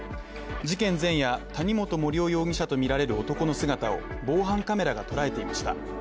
事件前夜、谷本盛雄容疑者とみられる男の姿を防犯カメラが捉えていました。